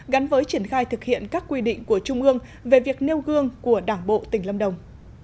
gắn với triển khai thực hiện các quy định của trung ương về việc nêu gương của đảng bộ tỉnh lâm đồng